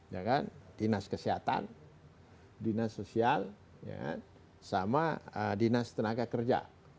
ya kan dinas kesehatan dinas sosial sama dinas tenaga kerja